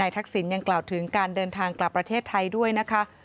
ทักษิณยังกล่าวถึงการเดินทางกลับประเทศไทยด้วยนะคะ